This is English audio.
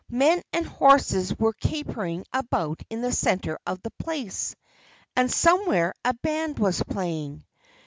Men and horses were capering about in the center of the place. And somewhere a band was playing.